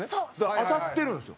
当たってるんですよ。